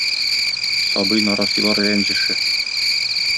Сабый, нарасыйлар рәнҗеше.